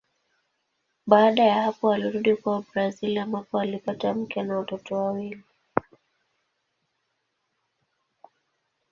Baada ya hapo alirudi kwao Brazili ambapo alipata mke na watoto wawili.